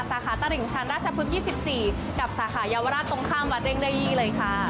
สาขาตลิ่งชันราชพฤกษ๒๔กับสาขายาวราชตรงข้ามวัดเร่งได้ยี่เลยค่ะ